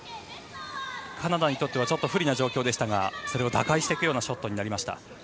カナダにとっては不利な状況でしたがそれを打開していくショットになりました。